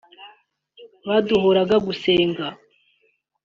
"Baduhoraga gusenga